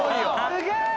すげえ！